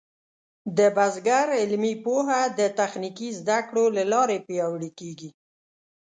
د بزګر علمي پوهه د تخنیکي زده کړو له لارې پیاوړې کېږي.